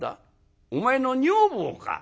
お前の女房か！